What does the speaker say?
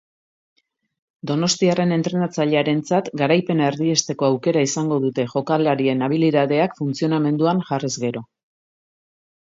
Donostiarren entrenatzailearentzat garaipena erdiesteko aukera izango dute jokalarien habilidadeak funtzionamenduan jarriz gero.